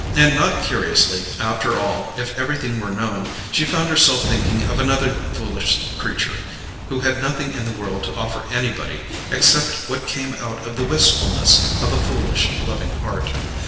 And, not curiously, after all, if everything were known, she found herself thinking of another foolish creature, who had nothing in the world to offer anybody, except what came out of the wistfulness of a foolish, loving heart.